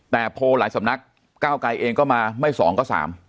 แต่โพลหลายสำนักก้าวไกรเองก็มาไม่๒ก็๓